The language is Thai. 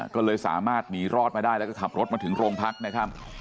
ก็เลยสามารถหนีรอดมาได้แล้วก็ขับรถมาถึงโรงพักนะครับ